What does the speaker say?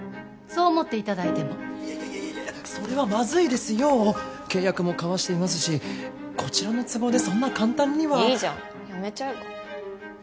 そう思っていただいてもいやいやいやそれはマズイですよ契約も交わしていますしこちらの都合でそんな簡単にはいいじゃんやめちゃえば？